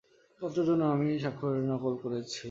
পদটার জন্য আমিই আপনার স্বাক্ষরের নকল করেছিলাম।